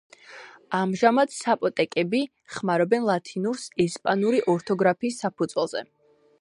ამჟამად საპოტეკები ხმარობენ ლათინურს ესპანური ორთოგრაფიის საფუძველზე.